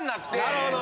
なるほど。